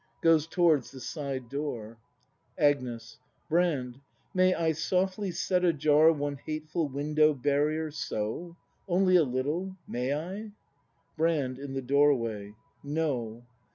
[Goes towards the side door. Agnes. Brand, may I softly set ajar One hateful window barrier, — so ? Only a little ? May I ? Brand. [In the doorway.] No.